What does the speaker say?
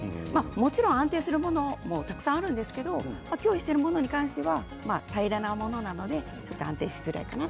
もちろん安定するものもたくさんあるんですけど今日、用意しているものは平らなものなのでちょっと安定しづらいかなと。